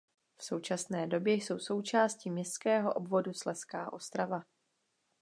V současné době jsou součástí městského obvodu Slezská Ostrava.